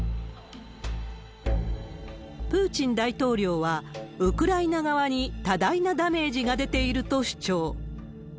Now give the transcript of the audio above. プーチン大統領は、ウクライナ側に多大なダメージが出ていると主張。